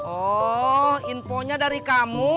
oh infonya dari kamu